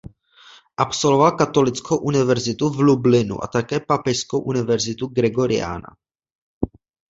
Absolvoval Katolickou univerzitu v Lublinu a také Papežskou univerzitu Gregoriana.